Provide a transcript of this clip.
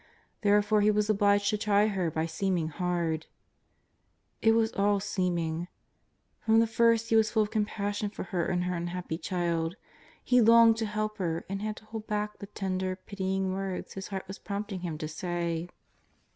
Therefore He was obliged to try her by seeming hard. It was all seem ing. From the first He was full of compassion for her and her unhappy child. He longed to help her, and had to hold back the tender, pitying words His heart was prompting Him to say.